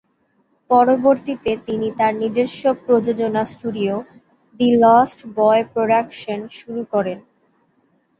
পরবর্তীতে তিনি তার নিজস্ব প্রযোজনা studio, "the lost boy production" শুরু করেন।